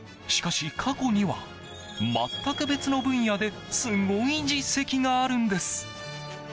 しかし、過去には全く別の分野ですごい実績があるんです。